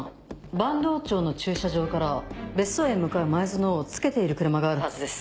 坂東町の駐車場から別荘へ向かう前薗をつけている車があるはずです。